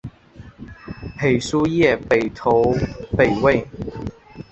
裴叔业北投北魏。